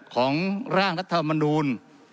ของร่างรัฐธรรมนูล